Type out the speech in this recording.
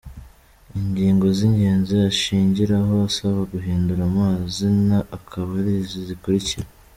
Ingingo z’ingenzi ashingiraho asaba guhindura amazina akaba ari izi zikurikira:.